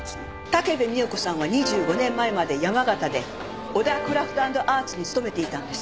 武部美代子さんは２５年前まで山形で小田クラフト＆アーツに勤めていたんです。